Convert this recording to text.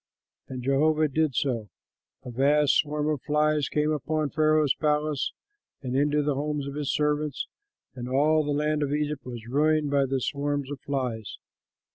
'" And Jehovah did so: a vast swarm of flies came upon Pharaoh's palace and into the homes of his servants; and all the land of Egypt was ruined by the swarms of flies.